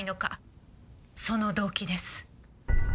その動機です。